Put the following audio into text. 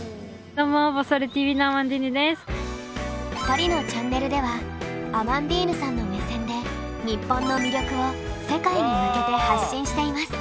２人のチャンネルではアマンディーヌさんの目線で日本の魅力を世界に向けて発信しています。